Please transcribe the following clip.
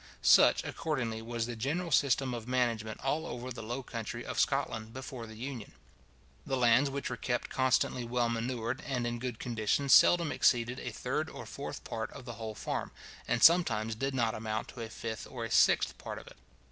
Such, accordingly, was the general system of management all over the low country of Scotland before the Union. The lands which were kept constantly well manured and in good condition seldom exceeded a third or fourth part of the whole farm, and sometimes did not amount to a fifth or a sixth part of it.